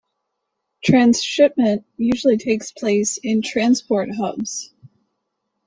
Transshipment usually takes place in transport hubs.